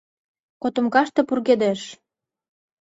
Котомкаште пургедеш.